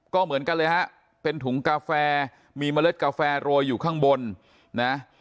ก็เหมือนกันเลยฮะเป็นถุงกาแฟมีเมล็ดกาแฟโรยอยู่ข้างบนนะ